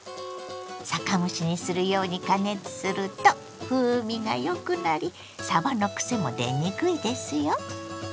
酒蒸しにするように加熱すると風味がよくなりさばのくせも出にくいですよ。